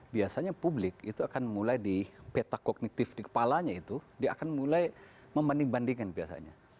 biasanya publik itu akan mulai di peta kognitif di kepalanya itu dia akan mulai membanding bandingkan biasanya